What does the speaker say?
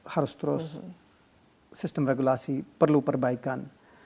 harus terus sistem regulasi perlu perbaikan